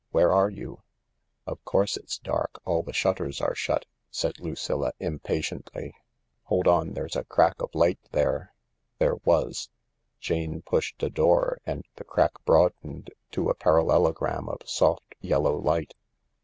Where are you ?"" Of course it's dark, all the shutters are shut 1 " said Lucilla impatiently. " Hold on, there's a crack of light there !" There was. Jane pushed a door and the crack broadened to a parallelogram of soft yellow light.